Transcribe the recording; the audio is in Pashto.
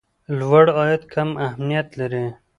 لوړ عاید کم اهميت لري.